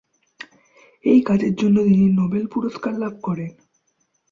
এই কাজের জন্য তিনি নোবেল পুরস্কার লাভ করেন।